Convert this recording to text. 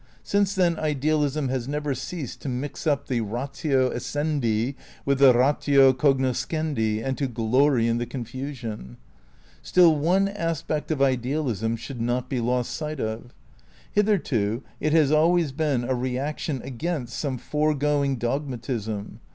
Since then IdeaUsm has never ceased to mix up the ratio essendi with the ratio cognoscendi and to glory in the confusion. StiU one aspect of Idealism should not be lost sight of. Hitherto it has always been a reaction against some foregoing dogmatism.